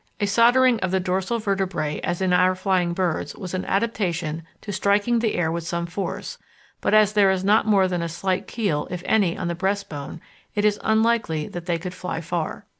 A soldering of the dorsal vertebræ as in our Flying Birds was an adaptation to striking the air with some force, but as there is not more than a slight keel, if any, on the breast bone, it is unlikely that they could fly far.